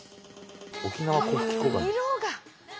色が。